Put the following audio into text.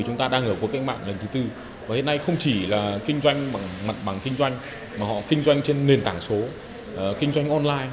nó đang ở của cái mạng lần thứ tư và hiện nay không chỉ là kinh doanh mặt bằng kinh doanh mà họ kinh doanh trên nền tảng số kinh doanh online